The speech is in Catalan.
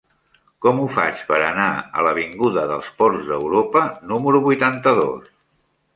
Com ho faig per anar a l'avinguda dels Ports d'Europa número vuitanta-dos?